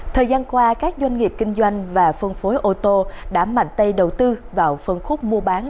thời gian qua các doanh nghiệp kinh doanh và phân phối ô tô đã mạnh tay đầu tư vào phân khúc mua bán